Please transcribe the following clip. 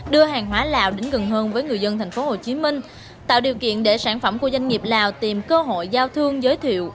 đưa hàng hóa lào đến gần hơn với người dân tp hcm tạo điều kiện để sản phẩm của doanh nghiệp lào tìm cơ hội giao thương giới thiệu